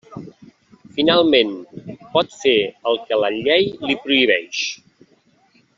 Finalment, pot fer el que la llei li prohibeix.